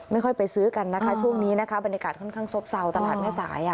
ไม่ค่อยไปซื้อกันนะคะช่วงนี้นะคะบรรยากาศค่อนข้างซบเศร้าตลาดแม่สาย